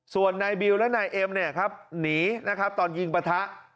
ส่วนนายบิวและนายเอ็มเนี่ยครับหนีนะครับตอนยิงปะทะ